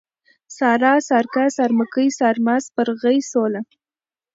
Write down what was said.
سارا ، سارکه ، سارمکۍ ، سارمه ، سپرغۍ ، سوله